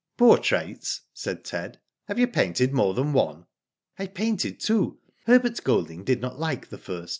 "Portraits," said Ted. '* Have you painted more than one ?"" I painted two. Herbert Golding did not like the first.